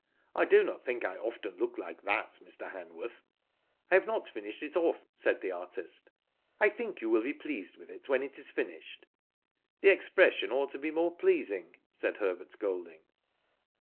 I do not think I often look Hke that y Mr, Hanworth." Digitized byGoogk THE PORTRAIT, 197 "I have not finished it off," said the artist. '* I think you will te pleased with it when it is finished/' "The expression ought to be more pleasing,*' said Herbert Golding.